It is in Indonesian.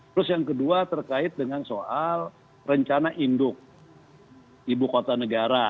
terus yang kedua terkait dengan soal rencana induk ibu kota negara